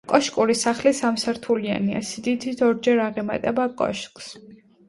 კოშკური სახლი სამსართულიანია, სიდიდით ორჯერ აღემატება კოშკს.